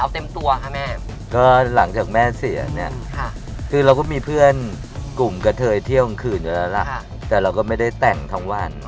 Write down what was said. ชั้นรับไม่ไหวแล้ว